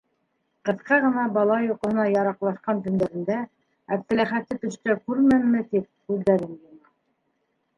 Ҡыҫка ғына бала йоҡоһона яраҡлашҡан төндәрендә Әптеләхәтте төштә күрмәмме, тип күҙҙәрен йома.